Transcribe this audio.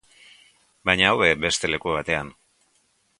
Baina hobe beste leku batean.